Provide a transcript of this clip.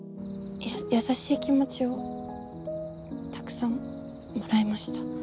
や優しい気持ちをたくさんもらいました。